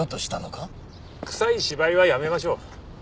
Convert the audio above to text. くさい芝居はやめましょう。